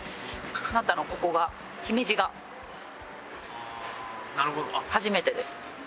なったのはここが姫路が初めてです。